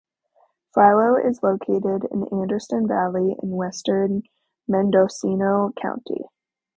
Philo is located in Anderson Valley in western Mendocino County.